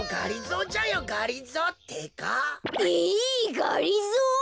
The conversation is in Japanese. がりぞー！？